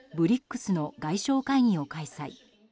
ＢＲＩＣＳの外相会議を開催。